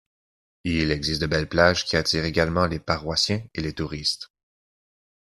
Il existe de belles plages qui attirent également les paroissiens et les touristes.